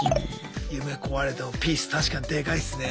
夢壊れてもピース確かにでかいっすね。